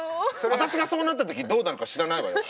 私がそうなったときどうなるか知らないわよ。